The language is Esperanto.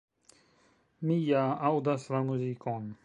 Mi ja aŭdas la muzikon!